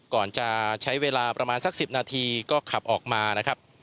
ก่อนจะใช้เวลาประมาณสัก๑๐นาทีก็ขับออกมานะครับ